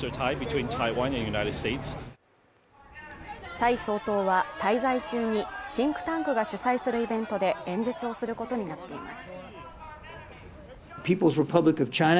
蔡総統は滞在中にシンクタンクが主催するイベントで演説をすることになっています。